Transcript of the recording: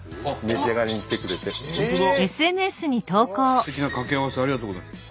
「素敵な掛け合わせをありがとうございます」。